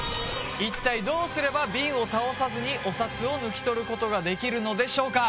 いったいどうすればビンを倒さずにお札を抜き取ることができるのでしょうか？